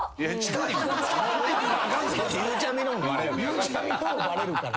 ゆうちゃみのもバレるから。